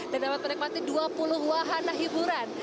dapat menikmati dua puluh wahana hiburan